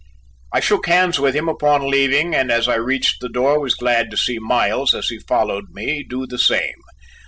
I shook hands with him upon leaving, and as I reached the door was glad to see Miles, as he followed me, do the same.